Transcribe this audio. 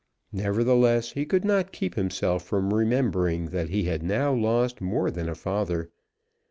Nevertheless, he could not keep himself from remembering that he had now lost more than a father.